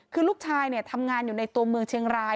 คือลูกชายทำงานอยู่ในตัวเมืองเชียงราย